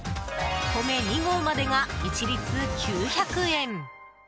米２合までが一律９００円。